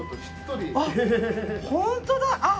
本当だ。